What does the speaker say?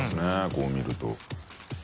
こう見ると。